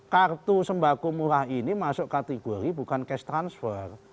kartu sembako murah ini masuk kategori bukan cash transfer